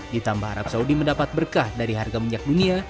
ditambah arab saudi mendapat berkah dari harga minyak dunia